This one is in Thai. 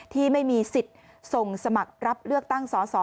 ที่มีสิทธิ์ส่งสมัครรับเลือกตั้งสอสอ